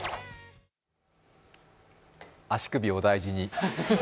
足首、お大事に。